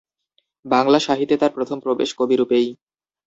বাংলা সাহিত্যে তার প্রথম প্রবেশ কবিরূপেই।